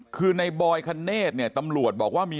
คือในบอยคเนสตำรวจบอกว่ามี